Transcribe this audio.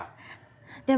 でも。